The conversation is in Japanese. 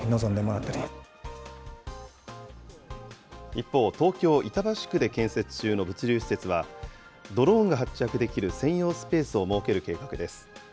一方、東京・板橋区で建設中の物流施設は、ドローンが発着できる専用スペースを設ける計画です。